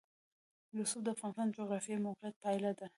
رسوب د افغانستان د جغرافیایي موقیعت پایله ده.